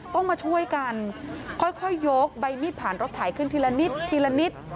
ต้องมาช่วยกันค่อยยกใบมีดผ่านรถไถขึ้นทีละนิดทีละนิด